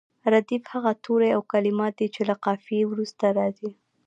ردیف هغه توري او کلمات دي چې له قافیې وروسته راځي.